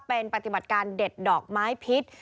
เป็นปฏิบัติการเด็ดดอกไม้พิษ